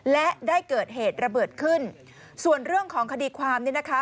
และได้เกิดเหตุระเบิดขึ้นส่วนเรื่องของคดีความเนี่ยนะคะ